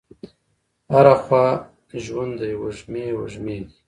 هره خوا ژوند دی وږمې، وږمې دي